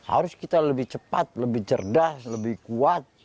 harus kita lebih cepat lebih cerdas lebih kuat